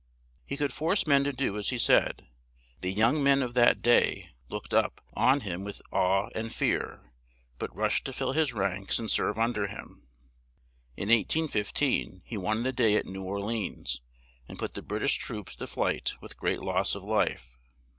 He could force men to do as he said; the young men of that day looked up on him with awe and fear, but rushed to fill his ranks and serve un der him. In 1815 he won the day at New Or le ans, and put the Brit ish troops to flight with great loss of life.